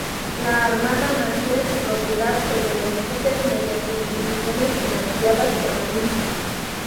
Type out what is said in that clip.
La Armada mantiene su propiedad sobre los buques mediante instituciones financiadas por la misma.